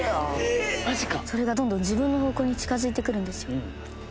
それがどんどん自分の方向に近づいてくるんですよ。